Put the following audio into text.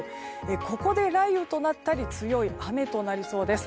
ここで雷雨となったり強い雨となりそうです。